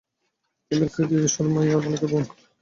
তিনি রাজনীতিবিদ সুমাইরা মালিকের বোন।